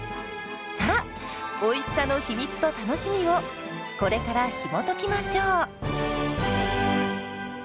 さあおいしさの秘密と楽しみをこれからひもときましょう！